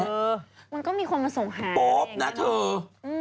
มันก็มีคนมาส่งหาอะไรอย่างนั้นนะโป๊บนะเธอ